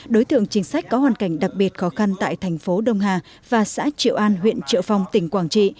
đối tượng chính sách có hoàn cảnh đặc biệt khó khăn tại thành phố đông hà và xã triệu an huyện triệu phong tỉnh quảng trị